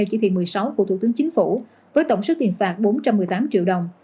chỉ thị một mươi sáu của thủ tướng chính phủ với tổng số tiền phạt bốn trăm một mươi tám triệu đồng